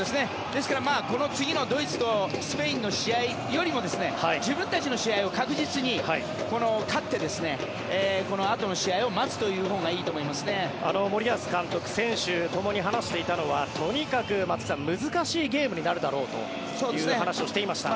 ですから次のドイツとスペインの試合よりも自分たちの試合を確実に勝ってこのあとの試合を待つというほうが森保監督、選手ともに話していたのはとにかく松木さん難しいゲームになるだろうという話をしていました。